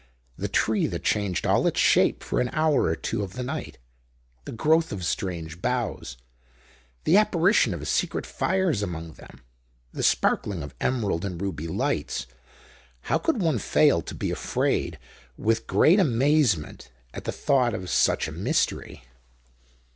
The tree that changed all its shape for an hour or two of the night, the growth of strange boughs, the apparition of secret fires among them, the sparkling of emerald and ruby lights: how could one fail to be afraid with great amazement at the thought of such a mystery?